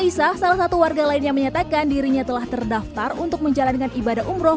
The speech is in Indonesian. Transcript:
aisah salah satu warga lainnya menyatakan dirinya telah terdaftar untuk menjalankan ibadah umroh